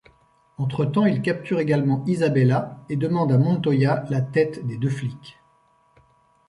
Entretemps, il capture également Isabella et demande à Montoya la tête des deux flics.